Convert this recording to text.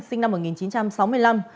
sinh năm một nghìn chín trăm sáu mươi năm